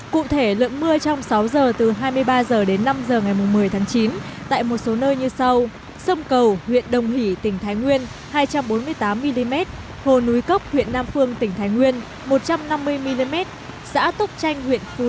cụ thể lượng mưa trong sáu giờ từ hai mươi ba giờ đến năm giờ ngày một mươi tháng chín tại một số nơi như sau